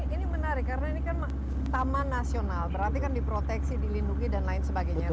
ini menarik karena ini kan taman nasional berarti kan diproteksi dilindungi dan lain sebagainya